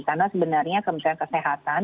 karena sebenarnya kementerian kesehatan